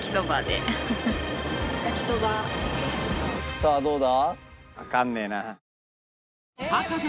さあどうだ？